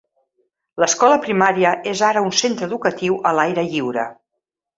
L'escola primària és ara un centre educatiu a l'aire lliure.